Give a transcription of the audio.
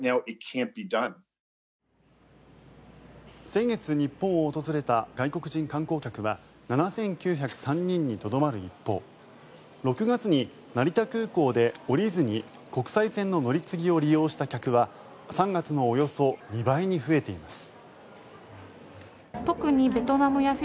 先月、日本を訪れた外国人観光客は７９０３人にとどまる一方６月に成田空港で降りずに国際線の乗り継ぎを利用した客は３月のおよそ２倍に増えています。